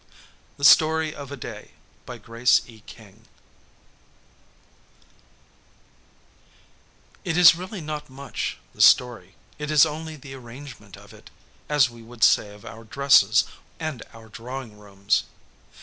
THE STORY OF A DAY It is really not much, the story; it is only the arrangement of it, as we would say of our dresses and our drawing rooms.